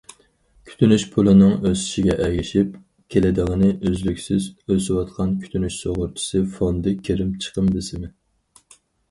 كۈتۈنۈش پۇلىنىڭ ئۆسۈشىگە ئەگىشىپ كېلىدىغىنى ئۈزلۈكسىز ئۆسۈۋاتقان كۈتۈنۈش سۇغۇرتىسى فوندى كىرىم چىقىم بېسىمى.